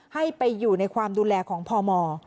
ให้ไปอยู่ในความดูแลของพม